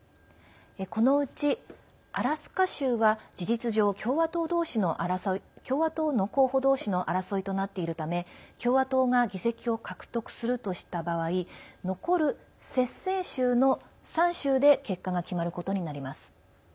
このうち、アラスカ州は事実上、共和党の候補同士の争いとなっているため共和党が議席を獲得するとした場合残る接戦州の３州で結果が決まることになります。